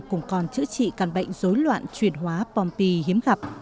cũng còn chữa trị căn bệnh dối loạn truyền hóa pompey hiếm gặp